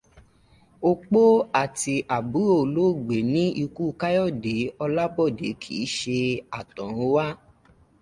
Opó àti àbúrò olóògbé ní ikú Kayode Olabode kìí ṣe àtọ̀runwá.